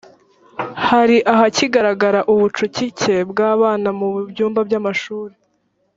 hari ahakigaragara ubucucike bwa’bana mu byumba by’amashuri